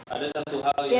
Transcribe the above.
ada satu hal yang